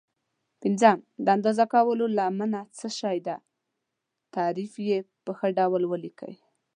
پنځم: د اندازه کولو لمنه څه شي ده؟ تعریف یې په ښه ډول ولیکئ.